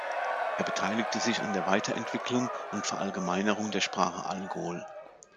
Er beteiligte sich an der Weiterentwicklung und Verallgemeinerung der Sprache Algol.